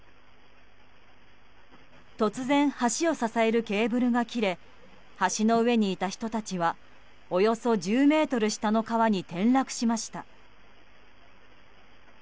突然、橋を支えるケーブルが切れ橋の上にいた人たちはおよそ１０ｍ下の川に転落しました。